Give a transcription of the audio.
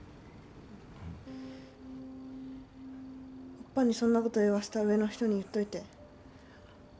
オッパにそんなこと言わせた上の人に言っといて。